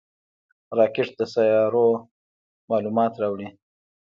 راکټ د سیارویو معلومات راوړي